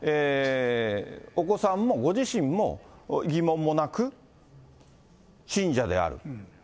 お子さんも、ご自身も疑問もなく、信者である。